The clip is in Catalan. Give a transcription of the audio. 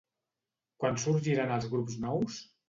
Quan sorgiran els grups nous?